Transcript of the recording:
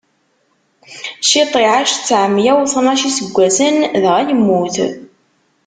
Cit iɛac tteɛmeyya u tnac n iseggasen, dɣa yemmut.